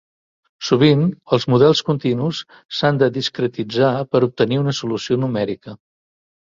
Sovint, els models continus s'han de discretitzar per obtenir una solució numèrica.